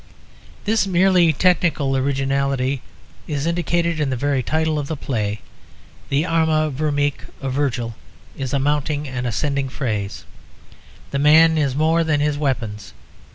This merely technical originality is indicated in the very title of the play. The Arma Virumque of Virgil is a mounting and ascending phrase, the man is more than his weapons.